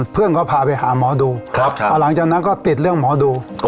เพื่อนก็พาไปหาหมอดูหลังจากนั้นก็ติดเรื่องหมอดู